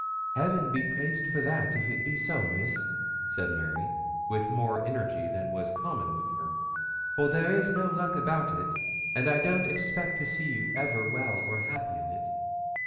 'Heaven be praised for that, if it be so, Miss!' said Mary, with more energy than was common with her, 'for there is no luck about it, and I don't expect to see you ever well or happy in it.'